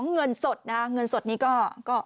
เงินสดนะฮะเงินสดนี้ก็